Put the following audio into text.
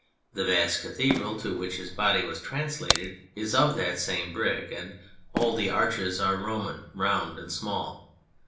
The vast cathedral to which his body was translated is of that same brick, and all the arches are Roman, round and small.